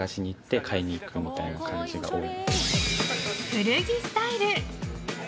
古着スタイル！